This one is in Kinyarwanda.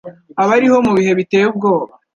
abariho mu bihe biteye ubwoba